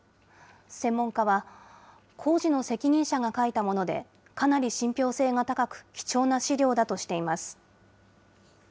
専門家は、工事の責任者が書いたもので、かなり信ぴょう性が高く、貴重な資料だとしています。